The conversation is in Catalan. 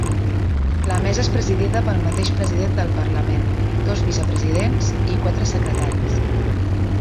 La Mesa és presidida pel mateix president del Parlament, dos vicepresidents i quatre secretaris.